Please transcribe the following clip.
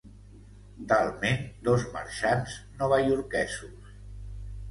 Talment dos marxants novaiorquesos.